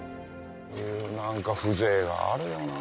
何か風情があるよな